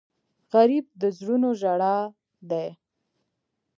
غریب د زړونو ژړا دی